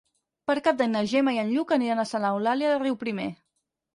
Per Cap d'Any na Gemma i en Lluc aniran a Santa Eulàlia de Riuprimer.